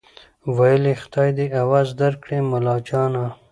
ویل خدای دي عوض درکړي ملاجانه